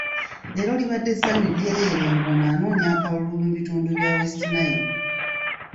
Leero libadde ssanyu jjereere ng'ono anoonya akalulu mu bitundu bya West Nile.